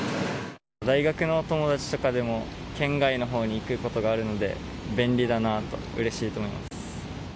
大学の友達とかでも、県外のほうに行くことがあるので、便利だなと、うれしいと思います。